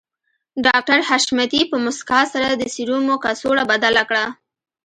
ډاکټر حشمتي په مسکا سره د سيرومو کڅوړه بدله کړه